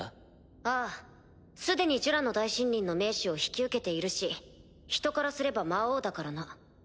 ああ既にジュラの大森林の盟主を引き受けているし人からすれば魔王だからな。